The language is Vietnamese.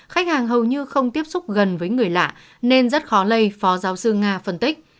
khách hàng hầu như không tiếp xúc gần với người lạ nên rất khó lây phó giáo sư nga phân tích